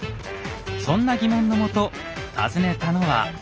そんな疑問のもと訪ねたのは大阪。